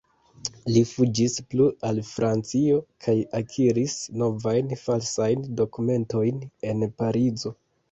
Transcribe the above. Li fuĝis plu al Francio kaj akiris novajn falsajn dokumentojn en Parizo.